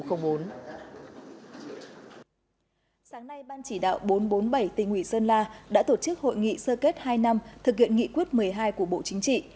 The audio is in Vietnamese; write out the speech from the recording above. sáng nay ban chỉ đạo bốn trăm bốn mươi bảy tỉnh ủy sơn la đã tổ chức hội nghị sơ kết hai năm thực hiện nghị quyết một mươi hai của bộ chính trị